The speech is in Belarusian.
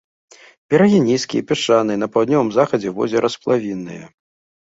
Берагі нізкія, пясчаныя, на паўднёвым захадзе возера сплавінныя.